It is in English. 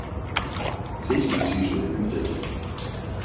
Seating is usually limited.